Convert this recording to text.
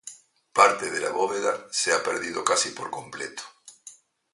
Parte de la bóveda se ha perdido casi por completo.